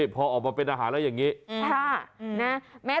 พอออกมาเป็นอาหารแล้วอย่างนี้